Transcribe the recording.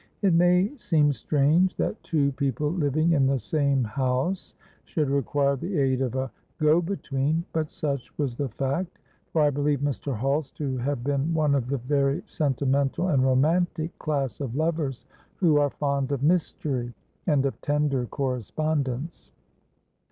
It may seem strange that two people living in the same house should require the aid of a go between; but such was the fact—for I believe Mr. Hulse to have been one of the very sentimental and romantic class of lovers who are fond of mystery and of tender correspondence.